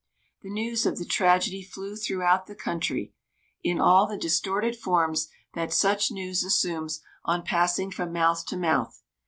The news of the tragedy flew throughout the country, in all the distorted forms that such news assumes on passing from mouth to mouth.